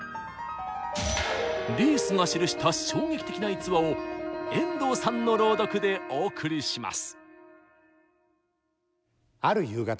リースが記した衝撃的な逸話を遠藤さんの朗読でお送りします！